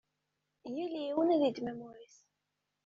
Yal yiwen ad yeddem amur-is.